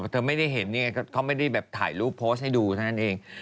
เธอไม่ได้เห็นนี่ไงเขาไม่ได้แบบถ่ายรูปโพสต์ให้ดูเท่านั้นเอง